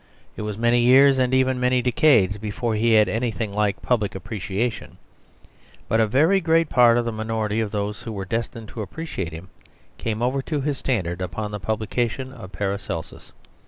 It was many years, and even many decades, before he had anything like a public appreciation, but a very great part of the minority of those who were destined to appreciate him came over to his standard upon the publication of Paracelsus.